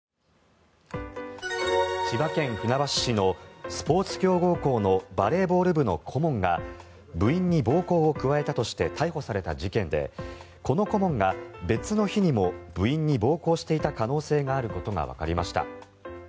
千葉県船橋市のスポーツ強豪校のバレーボール部の顧問が部員に暴行を加えたとして逮捕された事件でこの顧問が別の日にも部員に暴行していた可能性があることがわかりました。